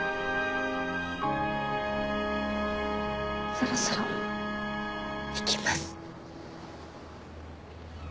そろそろ行きます。